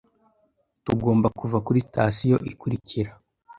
Tugomba kuva kuri sitasiyo ikurikira.